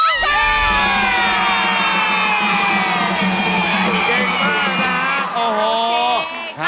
เก่งมากนะโอ้โห